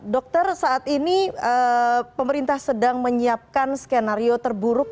dokter saat ini pemerintah sedang menyiapkan skenario terburuk